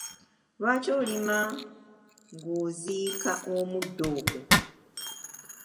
lwaki olima ng'oziika omuddo ogwo?